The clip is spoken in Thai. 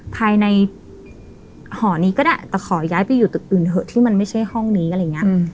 ภายในหอนี้ก็ได้แต่ขอย้ายไปอยู่ตึกอื่นเถอะที่มันไม่ใช่ห้องนี้อะไรอย่างนี้